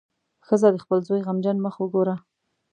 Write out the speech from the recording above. ښځه د خپل زوی غمجن مخ وګوره.